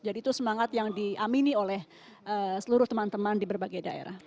jadi itu semangat yang diamini oleh seluruh teman teman di berbagai daerah